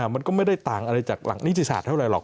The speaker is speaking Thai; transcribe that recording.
มันก็ไม่ได้ต่างอะไรจากหลักนิติศาสตเท่าไหรอก